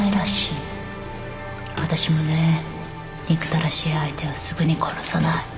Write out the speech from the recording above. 私もね憎たらしい相手はすぐに殺さない